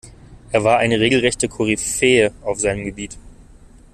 Er war eine regelrechte Koryphäe auf seinem Gebiet.